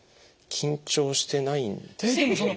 緊張してないんですかね。